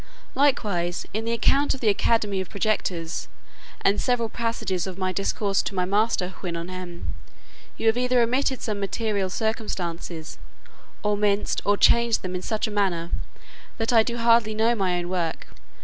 Likewise in the account of the academy of projectors, and several passages of my discourse to my master Houyhnhnm, you have either omitted some material circumstances, or minced or changed them in such a manner, that I do hardly know my own work.